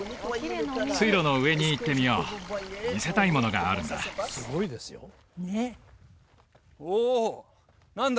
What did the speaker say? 水路の上に行ってみよう見せたいものがあるんだおおっ何だ？